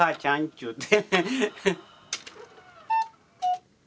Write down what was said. ちゅうて。